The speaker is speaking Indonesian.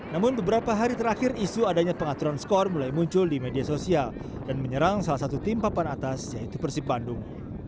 namun beberapa hari terakhir isu adanya pengaturan skor mulai muncul di media sosial dan menyerang salah satu tim papan atas yaitu persib bandung